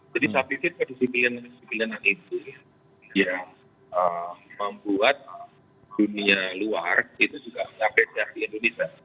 jadi saya pikir kedisiplinan disiplinan yang itu yang membuat dunia luar itu juga bisa berbeda di indonesia